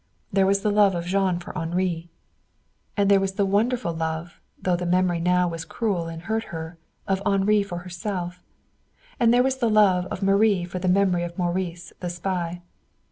There was the love of Jean for Henri, and there was the wonderful love, though the memory now was cruel and hurt her, of Henri for herself. And there was the love of Marie for the memory of Maurice the spy.